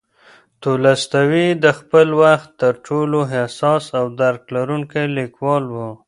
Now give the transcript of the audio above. تولستوی د خپل وخت تر ټولو حساس او درک لرونکی لیکوال و.